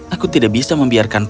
aku tidak bisa membiarkan pak bebe